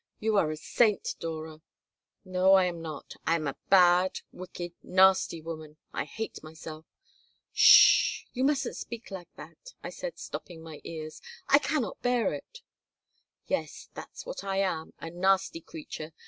You are a saint, Dora." "No, I am not. I am a bad, wicked, nasty woman. I hate myself." "'S sh! You mustn't speak like that," I said, stopping my ears. " I cannot bear it." "Yes, that's what I am, a nasty creature.